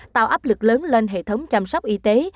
tạo áp lực lớn lên hệ thống chăm sóc y tế